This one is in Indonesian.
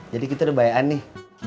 jadi kita udah bayan nih